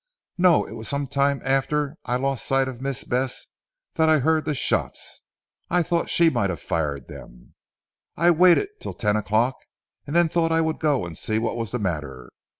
"No! It was some time after I lost sight of Miss Bess that I heard the shots, I thought she might have fired them. I waited till ten o'clock, and then thought I would go and see what was the matter.